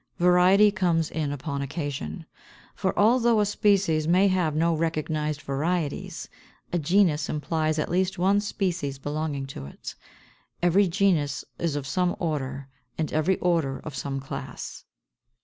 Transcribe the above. Variety comes in upon occasion. For, although a species may have no recognized varieties, a genus implies at least one species belonging to it; every genus is of some order, and every order of some class.